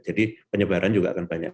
jadi penyebaran juga akan banyak